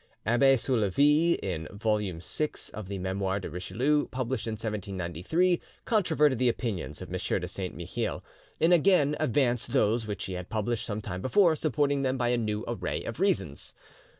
Abbe Soulavie, in vol. vi. of the 'Memoires de Richelieu', published in 1793, controverted the opinions of M. de Saint Mihiel, and again advanced those which he had published some time before, supporting them by a new array of reasons.